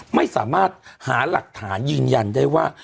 ไม่สามารถหาหลักฐานยืนยันได้ว่า